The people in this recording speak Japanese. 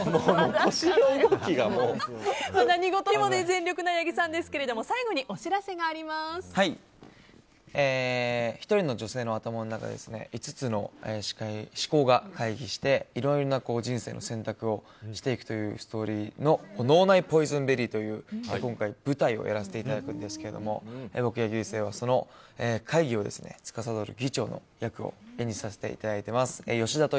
何事にも全力な八木さんですが１人の女性の頭の中で５つの思考が会議していろいろな人生の選択をしていくというストーリーの「脳内ポイズンベリー」を今回、舞台をやらせていただくんですけど僕、勇征はその会議を司る議長の役を演じさせていただいています。